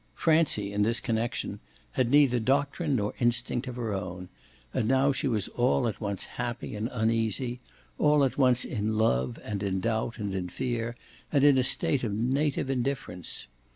Francie, in this connexion, had neither doctrine nor instinct of her own; and now she was all at once happy and uneasy, all at once in love and in doubt and in fear and in a state of native indifference.